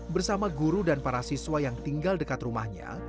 bersama guru dan para siswa yang tinggal dekat rumahnya